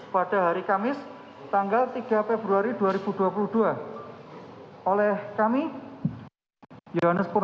satu buah kartu tanda penduduk atas nama anak korban delapan